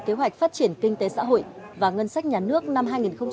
kế hoạch phát triển kinh tế xã hội và ngân sách nhà nước năm hai nghìn một mươi tám